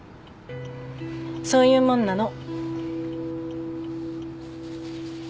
そういうもんなの。